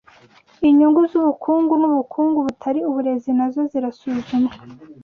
Inyungu zubukungu nubukungu butari uburezi nazo zirasuzumwa